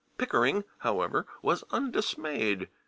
Pickering, however, was undismayed.